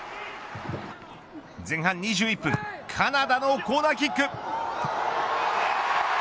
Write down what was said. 前半２１分カナダのコーナーキック。